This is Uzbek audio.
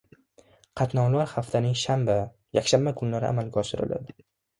Qatnovlar haftaning shanba, yakshanba kunlari amalga oshiriladi